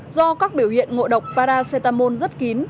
do các biểu hiện ngộ độc paracetamol rất kín